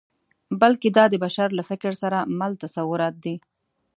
بلکې دا د بشر له فکر سره مل تصورات دي.